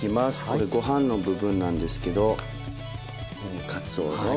これご飯の部分なんですけどかつおの。